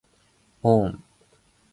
おーん